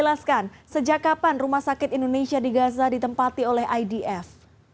menjelaskan sejak kapan rumah sakit indonesia di gaza ditempati oleh idf